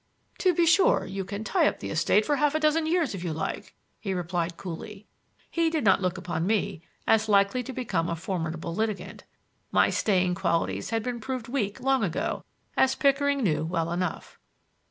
"To be sure. You can tie up the estate for half a dozen years if you like," he replied coolly. He did not look upon me as likely to become a formidable litigant. My staying qualities had been proved weak long ago, as Pickering knew well enough.